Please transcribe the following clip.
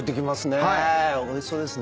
おいしそうですね。